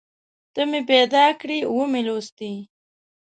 ته مې پیدا کړې ومې لوستې